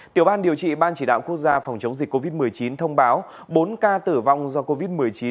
tiểu ban điều trị ban chỉ đạo quốc gia phòng chống dịch covid một mươi chín thông báo bốn ca tử vong do covid một mươi chín